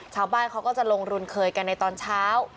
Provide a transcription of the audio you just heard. ชาวบ้านเขาก็จะลงรุนเคยกันในตอนเช้า